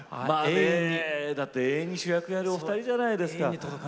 永遠に主役をやる２人じゃないですか。